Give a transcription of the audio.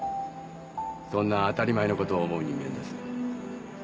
そんな当たり前のことを思う人間です。